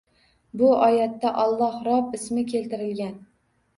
Bu oyatda Alloh Rob ismini keltirgan